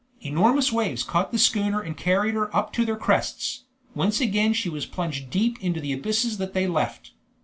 Enormous waves caught the schooner and carried her up to their crests, whence again she was plunged deep into the abysses that they left.